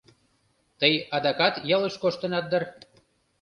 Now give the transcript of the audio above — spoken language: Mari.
Тый адакат ялыш коштынат дыр?